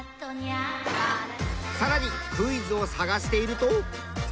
さらにクイズを探していると。